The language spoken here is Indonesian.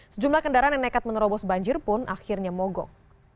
sejumlah kendaraan yang nekat menerobos banjir pun akhirnya mogok